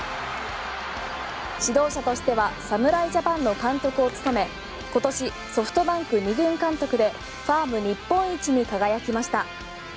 指導者としては侍ジャパンの監督を務め今年ソフトバンク２軍監督でファーム日本一に輝きました。